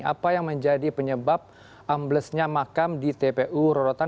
apa yang menjadi penyebab amblesnya makam di tpu rorotan